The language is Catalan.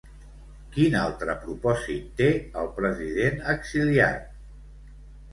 Quin altre propòsit té, el president exiliat?